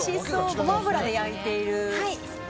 ごま油で焼いているんですね。